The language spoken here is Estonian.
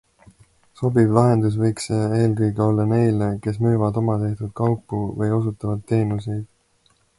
Sobiv lahendus võiks see eelkõige olla neile, kes müüvad omatehtud kaupu või osutavad teenuseid.